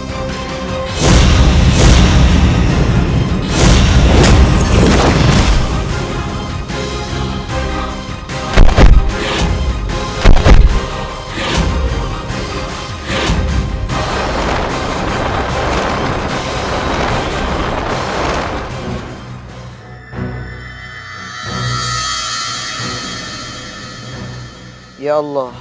curig civis dalam bahaya